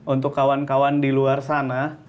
untuk kawan kawan di luar sana